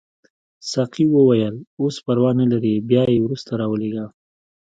ساقي وویل اوس پروا نه لري بیا یې وروسته راولېږه.